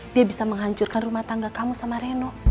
dia bisa menghancurkan rumah tangga kamu sama reno